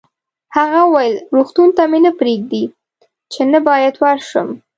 هغه وویل: روغتون ته مې نه پرېږدي، چې نه باید ورشم.